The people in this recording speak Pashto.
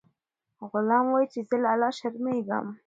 غلام وایي چې زه له الله شرمیږم.